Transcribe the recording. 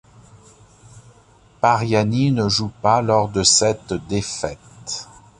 Pariani ne joue pas lors de cette défaite.